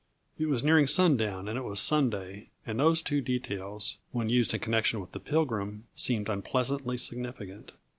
It was nearing sundown and it was Sunday, and those two details, when used in connection with the Pilgrim, seemed unpleasantly significant.